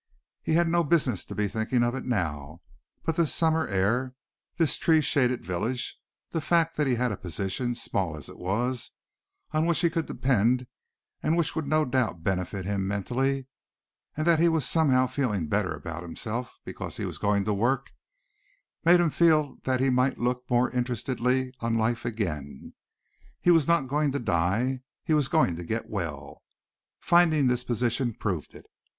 He had no business to be thinking of it now, but this summer air, this tree shaded village, the fact that he had a position, small as it was, on which he could depend and which would no doubt benefit him mentally, and that he was somehow feeling better about himself because he was going to work, made him feel that he might look more interestedly on life again. He was not going to die; he was going to get well. Finding this position proved it.